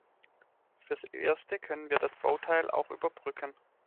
Fürs Erste können wir das Bauteil auch überbrücken.